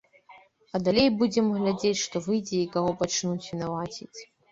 А далей будзем глядзець, што выйдзе і каго пачнуць вінаваціць.